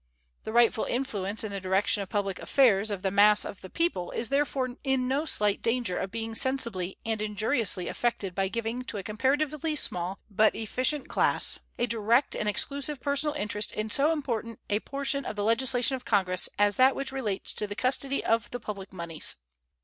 The rightful influence in the direction of public affairs of the mass of the people is therefore in no slight danger of being sensibly and injuriously affected by giving to a comparatively small but very efficient class a direct and exclusive personal interest in so important a portion of the legislation of Congress as that which relates to the custody of the public moneys.